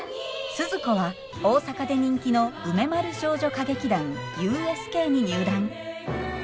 スズ子は大阪で人気の梅丸少女歌劇団ＵＳＫに入団。